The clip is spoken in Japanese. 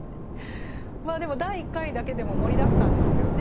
まあでも第１回だけでも盛りだくさんでしたよね。